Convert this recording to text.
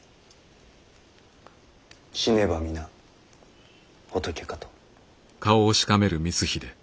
死ねば皆仏かと。